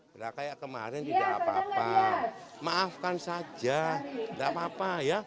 sudah kayak kemarin tidak apa apa maafkan saja tidak apa apa ya